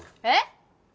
えっ！？